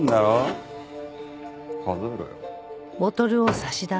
数えろよ。